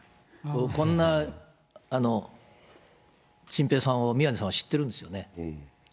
こんなチンペイさんを宮根さんは知っているんですよね。